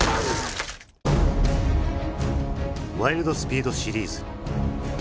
「ワイルド・スピード」シリーズ。